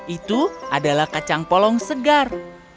itu adalah kacang polong segar